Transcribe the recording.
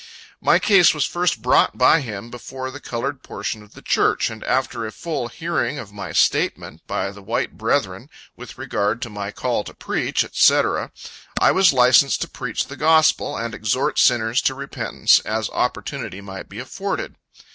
My case was first brought by him before the colored portion of the church; and after a full hearing of my statement, by the white brethren, with regard to my call to preach, &c., I was licensed to preach the gospel, and exhort sinners to repentance, as opportunity might be afforded.